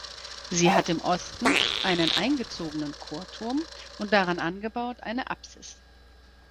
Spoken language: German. Sie hat im Osten einen eingezogenen Chorturm und daran angebaut eine Apsis.